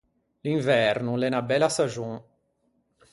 L’inverno o l’é unna bella saxon.